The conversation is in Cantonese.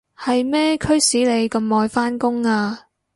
係咩驅使你咁愛返工啊？